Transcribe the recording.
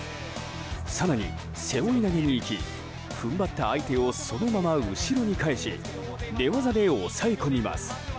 更に、背負い投げに行き踏ん張った相手をそのまま後ろに返し寝技で抑え込みます。